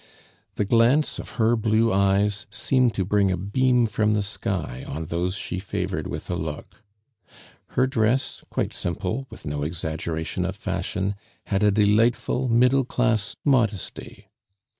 The glance of her blue eyes seemed to bring a beam from the sky on those she favored with a look. Her dress, quite simple, with no exaggeration of fashion, had a delightful middle class modesty.